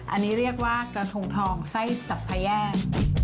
อันนี้เรียกว่ากระทงทองไส้สัพพแยก